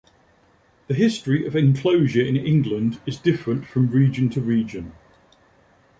The history of enclosure in England is different from region to region.